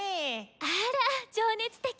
あら情熱的！